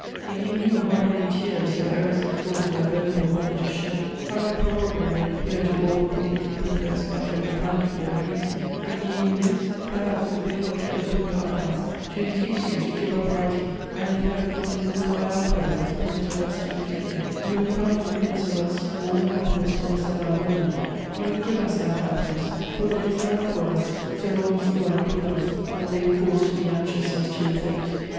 If you knew how many tears your errors had caused our venerable mother to shed; how deplorable they appear to all who think and profess not only piety, but reason: if you knew this, perhaps it would help to open your eyes, to induce you to give up writing; and if Heaven, moved by our prayers, permitted us to meet again, you would find in the midst of us all the happiness one is allowed on earth; you would give us that happiness, for there is none for us so long as you are not with us and we have cause to be anxious as to your fate."